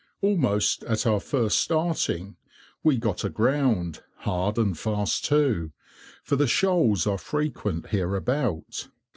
Almost at our first starting, we got aground; hard and fast too, for the shoals are frequent hereabout.